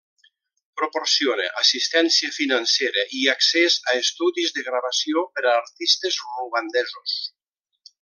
Proporciona assistència financera i accés a estudis de gravació per a artistes ruandesos.